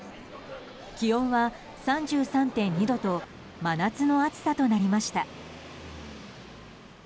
気温は３３．２度と真夏の暑さとなりました。